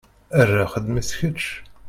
Aṛṛa xdem-it kečč!